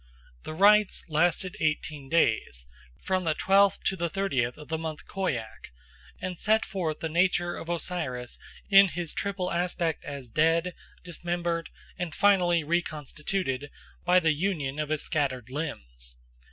The rites lasted eighteen days, from the twelfth to the thirtieth of the month Khoiak, and set forth the nature of Osiris in his triple aspect as dead, dismembered, and finally reconstituted by the union of his scattered limbs.